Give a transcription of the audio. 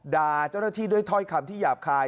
ด่าเจ้าหน้าที่ด้วยถ้อยคำที่หยาบคาย